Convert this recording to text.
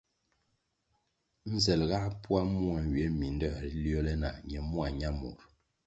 Nzel ga poa mua nywie mindoē ri liole nah ñe mua ñamur.